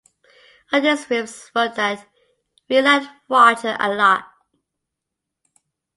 Otis Williams wrote that: We liked Roger a lot.